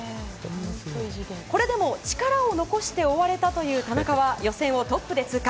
これでも力を残して終われたという田中は予選をトップで通過。